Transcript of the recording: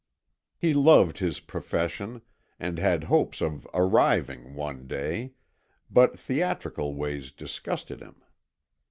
He loved his profession, and had hopes of "arriving" one day, but theatrical ways disgusted him.